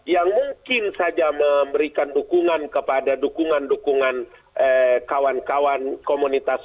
yang mungkin saja memberikan dukungan kepada dukungan dukungan kawan kawan komunitas